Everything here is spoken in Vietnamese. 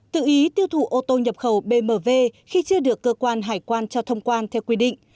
tự ý tiêu thụ ô tô nhập khẩu bmv khi chưa được cơ quan hải quan cho thông quan theo quy định